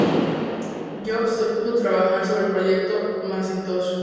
Jobs se puso a trabajar sobre el proyecto Macintosh.